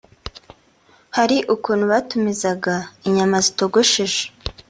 Hari ukuntu batumizaga inyama zitogosheje